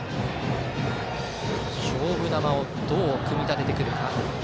勝負球をどう組みたててくるか。